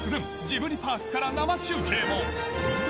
ジブリパークから生中継も。